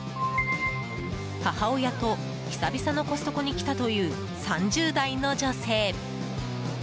母親と久々のコストコに来たという３０代の女性。